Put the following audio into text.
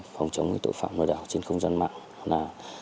phòng chống tội phạm nội đạo trên không gian mạng